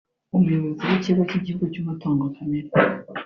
umuyobozi w’Ikigo cy’igihugu cy’umutungo kamere